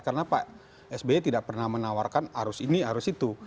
karena pak sbe tidak pernah menawarkan arus ini arus itu